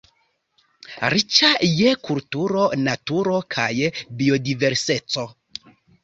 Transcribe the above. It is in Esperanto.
Riĉa je kulturo, naturo kaj biodiverseco.